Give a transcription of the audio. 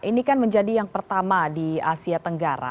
ini kan menjadi yang pertama di asia tenggara